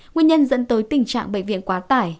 nguyên nhân dẫn tới tình trạng bệnh viện quá tải